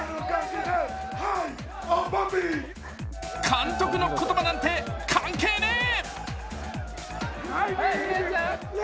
監督の言葉なんて、関係ねえ！